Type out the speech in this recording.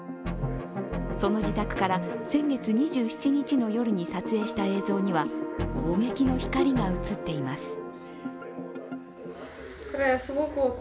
その自宅から先月２７日の夜に撮影した映像には砲撃の光が映っています。